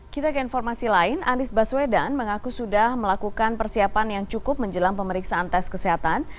kita ke informasi lain anies baswedan mengaku sudah melakukan persiapan yang cukup menjelang pemeriksaan tes kesehatan